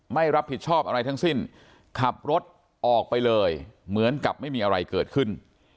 ไม่รับผิดชอบอะไรทั้งสิ้นขับรถออกไปเลยเหมือนกับไม่มีอะไรเกิดขึ้น